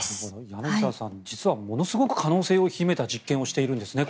柳澤さん実はものすごく可能性を秘めた実験をしているんですね。